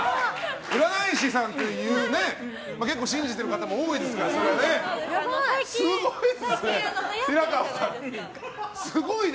占い師さんという結構信じてる方も多いですからね。